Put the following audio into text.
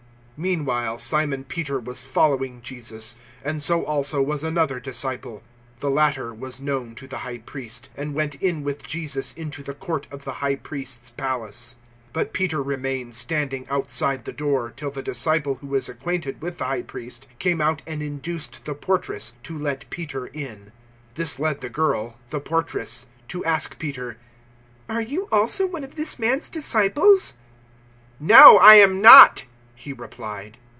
018:015 Meanwhile Simon Peter was following Jesus, and so also was another disciple. The latter was known to the High Priest, and went in with Jesus into the court of the High Priest's palace. 018:016 But Peter remained standing outside the door, till the disciple who was acquainted with the High Priest came out and induced the portress to let Peter in. 018:017 This led the girl, the portress, to ask Peter, "Are you also one of this man's disciples?" "No, I am not," he replied.